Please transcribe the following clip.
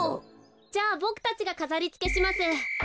じゃあボクたちがかざりつけします。